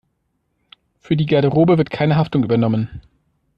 Für die Garderobe wird keine Haftung übernommen.